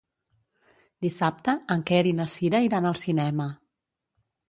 Dissabte en Quer i na Cira iran al cinema.